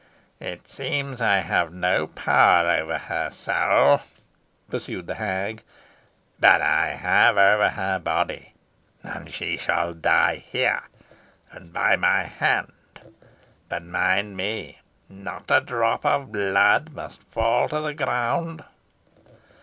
"It seems I have no power over her soul" pursued the hag; "but I have over her body, and she shall die here, and by my hand. But mind me, not a drop of blood must fall to the ground."